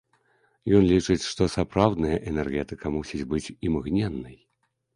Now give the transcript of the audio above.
Ён лічыць, што сапраўдная энергетыка мусіць быць імгненнай.